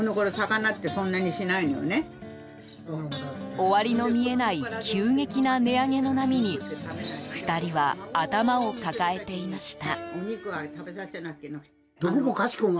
終わりの見えない急激な値上げの波に２人は頭を抱えていました。